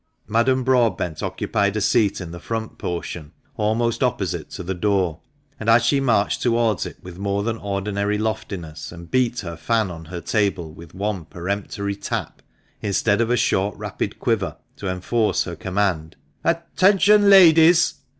Madame Broadbent occupied a seat in the front portion, almost opposite to the door ; and as she marched towards it with more than ordinary loftiness, and beat her fan on her table with one peremptory tap, instead of a short rapid quiver, to enforce her command, " Attention, ladies